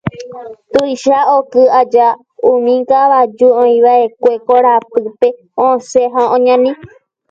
Tuicha oky aja umi kavaju oĩva'ekue korapýpe osẽ ha oñani.